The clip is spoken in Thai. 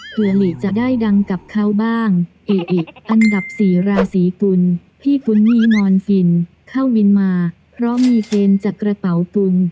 หลีจะได้ดังกับเขาบ้างเออิอันดับสี่ราศีกุลพี่คุณมีนอนฟินเข้าวินมาเพราะมีเกณฑ์จากกระเป๋าตุล